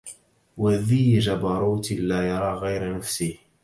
وذي جبروت لا يرى غير نفسه